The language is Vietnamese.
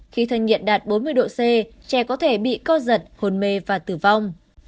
khi thân nhiệt đạt bốn mươi độ c trẻ có thể bị co giật hồn mê và tử vong